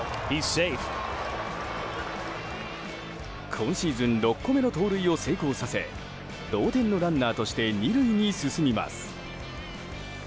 今シーズン６個目の盗塁を成功させ同点のランナーとして２塁に進みます。